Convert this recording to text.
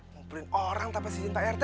ngumpulin orang tanpa sijil prt